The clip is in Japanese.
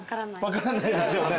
分からないですよね。